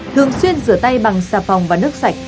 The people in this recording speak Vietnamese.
thường xuyên rửa tay bằng xà phòng và nước sạch